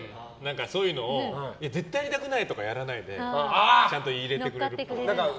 そういうのを絶対やりたくない！とかやらずにちゃんと入れてくれるっぽい。